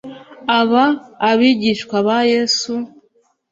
Aba bigishwa ba yesu